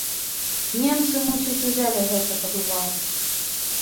Немцы, мусіць, узялі гэта пад увагу.